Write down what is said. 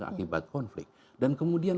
akibat konflik dan kemudian